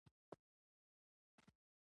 زه اوس اخته یم باره به زنګ در ووهم